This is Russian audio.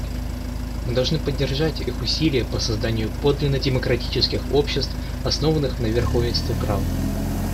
Мы должны поддержать их усилия по созданию подлинно демократических обществ, основанных на верховенстве права.